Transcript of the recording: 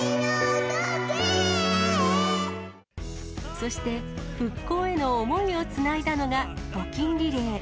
そして、復興への想いをつないだのが募金リレー。